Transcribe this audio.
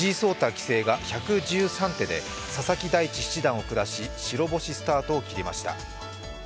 棋聖が１１３手で佐々木大地七段を下し白星スタートを切りました。